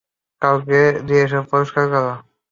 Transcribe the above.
কাউকে দিয়ে এসব পরিষ্কার কর।